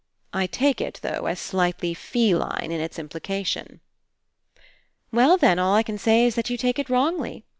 I take it, though, as slightly feline in Its Implication." *'Well, then, all I can say is that you take it wrongly.